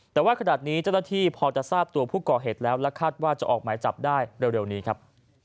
แต่ว่าขนาดนี้เจ้าหน้าที่พอจะทราบตัวผู้ก่อเหตุแล้วและคาดว่าจะออกหมายจับได้เร็วนี้ครับ